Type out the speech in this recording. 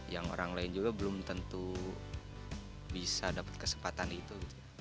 yang orang lain juga belum tentu bisa dapat kesempatan itu